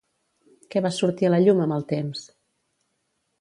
Què va sortir a la llum amb el temps?